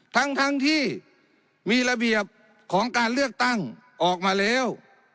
ทั้งที่มีระเบียบของการเลือกตั้งออกมาแล้ว